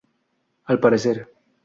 Al parecer.